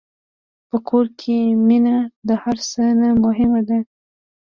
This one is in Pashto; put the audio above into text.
په کور کې مینه د هر څه نه مهمه ده.